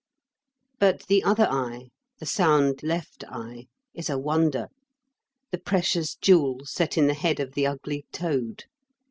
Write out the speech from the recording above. But the other eye, the sound left eye, is a wonder the precious jewel set in the head of the ugly toad.